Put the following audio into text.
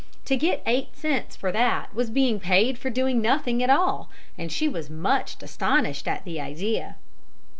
To get eight cents for that was being paid for doing nothing at all, and she was much astonished at the idea.